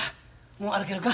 もう歩けるか？